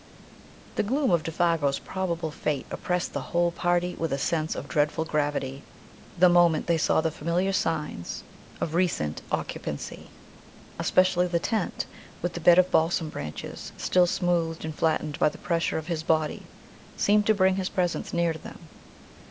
The gloom of Défago's probable fate oppressed the whole party with a sense of dreadful gravity the moment they saw the familiar signs of recent occupancy. Especially the tent, with the bed of balsam branches still smoothed and flattened by the pressure of his body, seemed to bring his presence near to them.